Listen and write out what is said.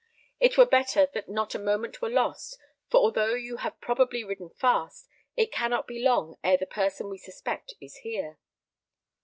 It were better that not a moment were lost, for although you have probably ridden fast, it cannot be long ere the person we suspect is here."